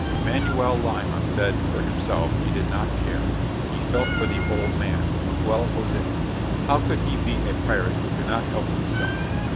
Manuel Lima said, for himself, he did not care; he felt for the old man (Miguel Jose). How could he be a pirate who could not help himself?